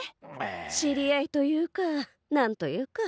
知り合いというか何と言うか。